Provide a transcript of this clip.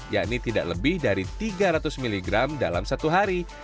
yakni tidak lebih dari tiga ratus miligram dalam satu hari